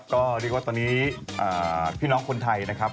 ก็เรียกว่าตอนนี้พี่น้องคนไทยนะครับ